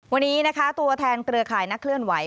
วันนี้ตัวแทนเกลือไขนักเคลื่อนไหว